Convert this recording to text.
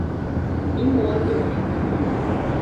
民国九年卒。